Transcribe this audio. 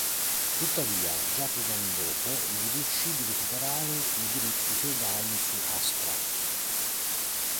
Tuttavia, già pochi anni dopo, gli riuscì di recuperare i diritti feudali su Aspra.